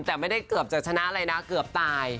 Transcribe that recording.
แต่ไม่ได้เกือบจะชนะอะไรนะเกือบตาย